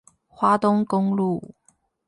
花東公路